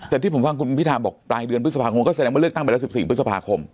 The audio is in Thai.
แต่ที่ผมฟังคุณพิธาบอกปลายเดือนพฤษภาคมก็แสดงว่าเลือกตั้งไปแล้ว๑๔พฤษภาคม